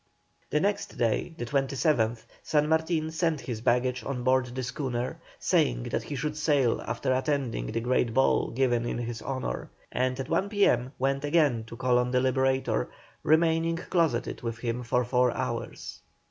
The next day, the 27th, San Martin sent his baggage on board the schooner, saying that he should sail after attending the great ball given in his honour, and at one P.M. went again to call on the Liberator, remaining closeted with him for four hours.